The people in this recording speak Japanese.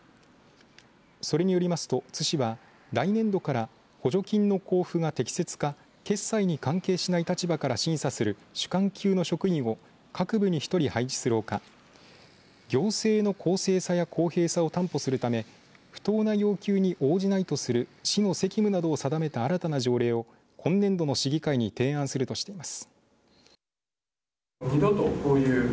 それによりますと、津市は来年度から補助金の交付が適切か決裁に関係しない立場から審査する主幹級の職員を各部に１人配置するほか行政の公正さや公平さを担保するため不当な要求に応じないとする市の責務などを定めた新たな条例を今年度の市議会に提案するとしています。